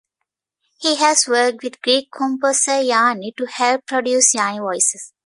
He has worked with Greek composer Yanni to help produce "Yanni Voices".